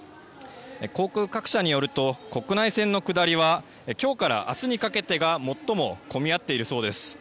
航空各社によると国内線の下りは今日から明日にかけてが最も混み合っているそうです。